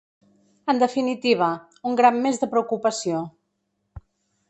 En definitiva, un gram més de preocupació.